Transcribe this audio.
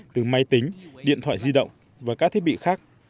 từ máy tính điện thoại di động và các thiết bị khác